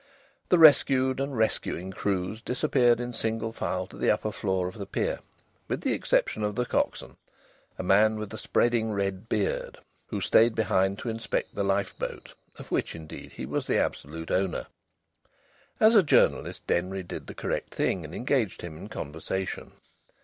_ The rescued and the rescuing crews disappeared in single file to the upper floor of the pier, with the exception of the coxswain, a man with a spreading red beard, who stayed behind to inspect the lifeboat, of which indeed he was the absolute owner. As a journalist Denry did the correct thing and engaged him in conversation.